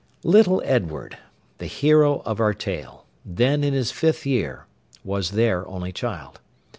Little Edward, the hero of our tale, then in his fifth year, was their only child.